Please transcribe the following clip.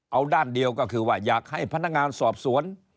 เอาด้านเดียวก็คือว่าอยากให้พนักงานสอบสวน